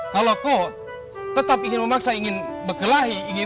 kalau kau tetap ingin memaksa ingin berkelahi